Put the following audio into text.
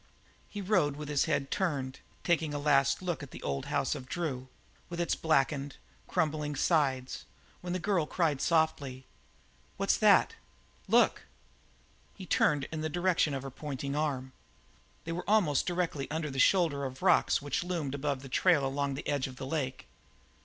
He rode with his head turned, taking his last look at the old house of Drew, with its blackened, crumbling sides, when the girl cried softly: "What's that? Look!" He stared in the direction of her pointing arm. They were almost directly under the shoulder of rocks which loomed above the trail along the edge of the lake.